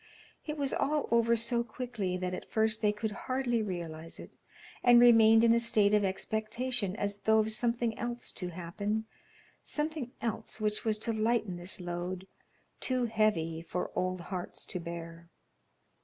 It was all over so quickly that at first they could hardly realize it, and remained in a state of expectation as though of something else to happen something else which was to lighten this load, too heavy for old hearts to bear.